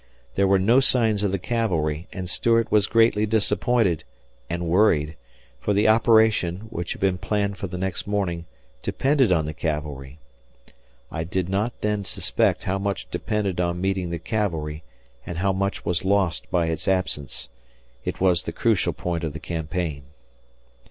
There were no signs of the cavalry, and Stuart was greatly disappointed and worried, for the operation, which had been planned for the next morning, depended on the cavalry. I did not then suspect how much depended on meeting the cavalry and how much was lost by its absence. It was the crucial point of the campaign.